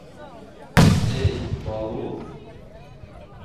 Эй, Балу?